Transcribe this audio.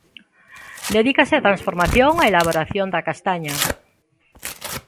Dedícase á transformación e elaboración da castaña.